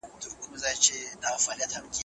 کوڅو او سیمو د نومونو د پښتو او دري لیکلو پلمه نیسي